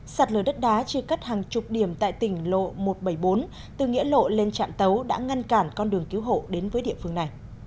sạt lở đất đá chia cắt hàng chục điểm tại tỉnh lộ một trăm bảy mươi bốn từ nghĩa lộ lên trạm tấu đã ngăn cản con đường cứu hộ đến với địa phương này